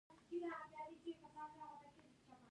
هرات د افغانستان د اقلیمي نظام ښکارندوی دی.